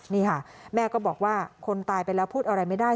นี่ค่ะแม่ก็บอกว่าคนตายไปแล้วพูดอะไรไม่ได้